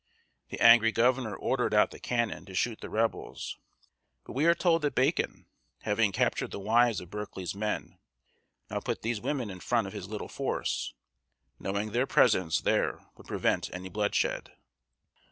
The angry governor ordered out the cannon to shoot the rebels; but we are told that Bacon, having captured the wives of Berkeley's men, now put these women in front of his little force, knowing their presence there would prevent any bloodshed.